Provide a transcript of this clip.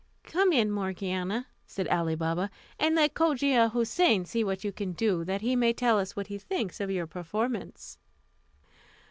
"Come in, Morgiana," said Ali Baba, "and let Cogia Houssain see what you can do, that he may tell us what he thinks of your performance."